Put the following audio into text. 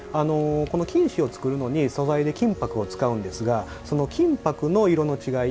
この金糸を作るのに素材で金ぱくを使うんですが、金ぱくの色の違い。